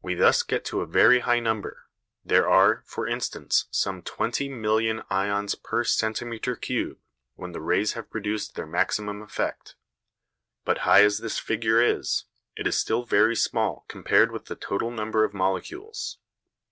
We thus get to a very high number. There are, for instance, some twenty million ions per centimetre cube when the rays have produced their maximum effect, but high as this figure is, it is still very small compared with the total number of molecules.